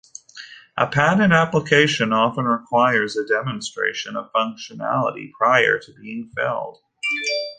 A patent application often requires a demonstration of functionality prior to being filed.